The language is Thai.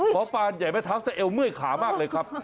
หมอปลาอันใหญ่ไม่ทักแต่เอวเมื่อยขามากเลยครับ